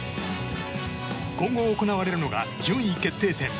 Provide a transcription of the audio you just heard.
今後、行われるのが順位決定戦。